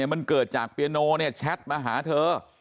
มันเกิดจากเปียโนแชทมาหาเธอ